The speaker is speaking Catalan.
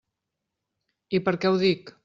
I per què ho dic?